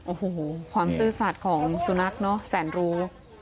โอ้โหความซื่อสัตว์ของสุนัขเนอะแสนรู้